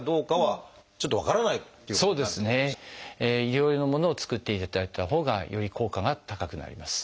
医療用のものを作っていただいたほうがより効果が高くなります。